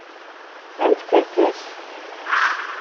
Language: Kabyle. A mm tkerkas.